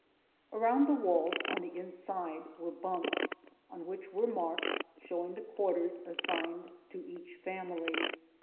Around the walls on the in side were bunks on which were marks showing the quar ters assigned to each family.